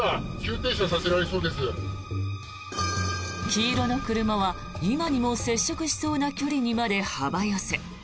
黄色の車は今にも接触しそうな距離にまで幅寄せ。